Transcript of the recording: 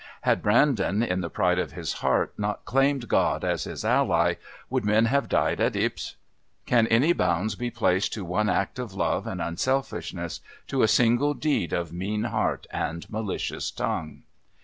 Had Brandon in the pride of his heart not claimed God as his ally, would men have died at Ypres? Can any bounds be placed to one act of love and unselfishness, to a single deed of mean heart and malicious tongue?